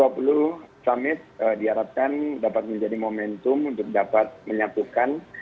dua puluh summit diharapkan dapat menjadi momentum untuk dapat menyatukan